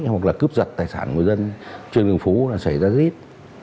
hoặc là cướp giật tài sản người dân trên đường phố là xảy ra rất ít